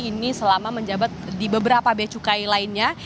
ini selama menjabat di beberapa becukai lainnya